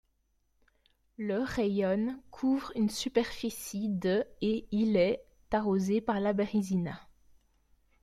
Le raïon couvre une superficie de et il est arrosé par la Bérézina.